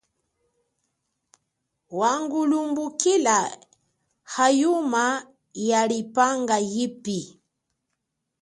Wangulumbukila hayuma walinga yipi.